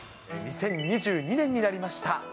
２０２２年になりました。